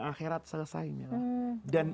akhirat selesai mila dan